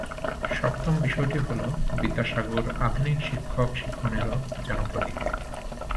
সপ্তম বিষয়টি হলো, বিদ্যাসাগর আধুনিক শিক্ষক-শিক্ষণেরও যেন পথিকৃৎ।